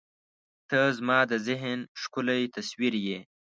• ته زما د ذهن ښکلی تصویر یې.